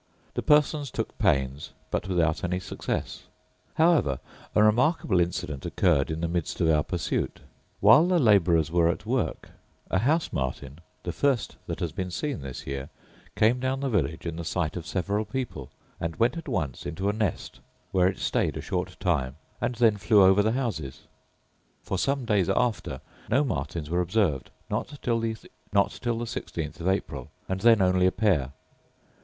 The persons took pains, but without any success: however, a remarkable incident occurred in the midst of our pursuit while the labourers were at work a house martin, the first that had been seen this year, came down the village in the sight of several people, and went at once into a nest, where it stayed a short time, and then flew over the houses; for some days after no martins were observed, not till the 16th of April, and then only a pair.